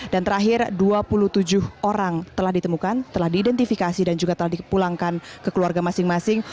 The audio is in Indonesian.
dan terakhir dua puluh tujuh orang telah ditemukan telah diidentifikasi dan juga telah dipulangkan ke keluarga masing masing